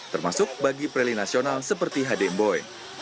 termasuk bagi preli nasional seperti hadem boy